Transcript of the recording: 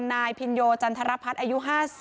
นายพินโยจันทรพัฒน์อายุ๕๐